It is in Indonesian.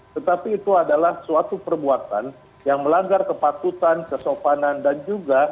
tetapi itu adalah suatu perbuatan yang melanggar kepatutan kesopanan dan juga